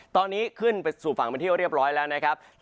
ตอนนี้ขึ้นไปสู่ฝั่งเป็นที่เรียบร้อยแล้วนะครับ